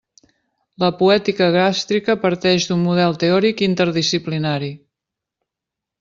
La poètica gàstrica parteix d'un model teòric interdisciplinari.